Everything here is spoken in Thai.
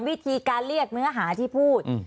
วิธีการเรียกเนื้อหาที่พูด